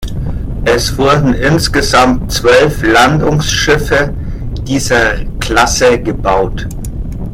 Es wurden insgesamt zwölf Landungsschiffe dieser Klasse gebaut.